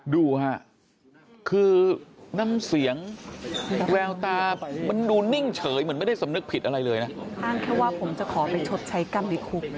ดูค่ะคือน้ำเสียงแววตามันดูนิ่งเฉยเหมือนไม่ได้สำนึกผิดอะไรเลยนะ